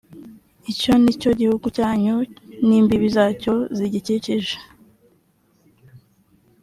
icyo ni cyo gihugu cyanyu n’imbibi zacyo zigikikije.